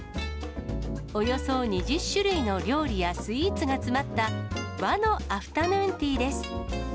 およそ２０種類の料理やスイーツが詰まった、和のアフタヌーンティーです。